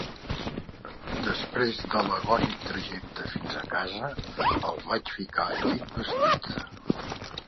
Després de l'agònic trajecte fins a casa, el vaig ficar al llit vestit.